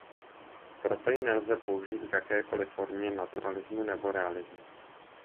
Proto ji nelze použít v jakékoli formě naturalismu nebo realismu.